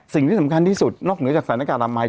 สิ่งที่สำคัญที่สุดนอกเหนือจากศาลนการรามัย